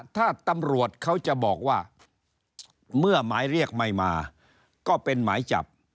ถ้าตำรวจเขาจะบอกว่าเมื่อหมายเรียกไม่มาก็เป็นหมายจับ